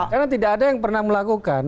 karena tidak ada yang pernah melakukan